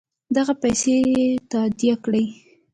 دغه پیسې تادیه کړي.